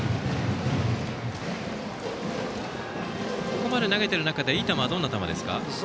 ここまで投げている中でいい球はどんな球ですか？